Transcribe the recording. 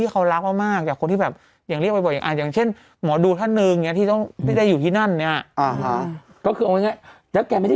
บ้านหลังนั้นพี่พี่ติมเข้าไปอยู่เพื่อนี่ไม่ใช่ธรรมดาเหนือไม่ใช่ธรรมดัน